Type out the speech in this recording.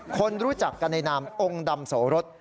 คนรู้จักกันในนามองค์ดำโสรส